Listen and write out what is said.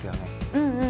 うんうん。